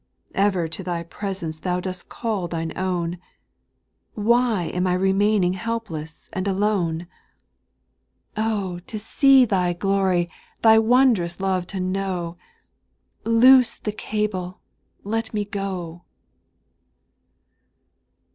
Ever to Thy presence Thou dost call Thine own — Why am I remaining helpless and alone ? SPIRITUAL SONGS, 379 Oh ! to see Thy glory, Thy wondrous love to know I Loose the cable, let me go